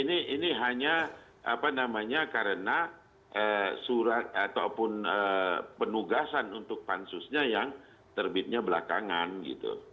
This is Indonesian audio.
ini hanya apa namanya karena surat ataupun penugasan untuk pansusnya yang terbitnya belakangan gitu